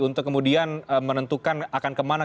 untuk kemudian menentukan akan kemana